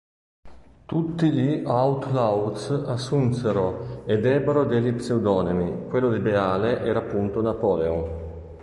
Tutti gli Outlawz assunsero ed ebbero degli pseudonimi, quello di Beale era appunto Napoleon.